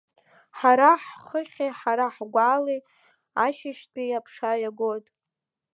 Ҳара ҳхыхьи ҳара ҳгәалеи, ашьыжьтәи аԥша иагоит.